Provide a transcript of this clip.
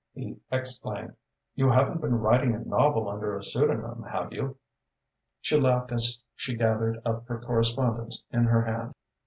he exclaimed. "You haven't been writing a novel under a pseudonym, have you?" She laughed as she gathered up her correspondence in her hand.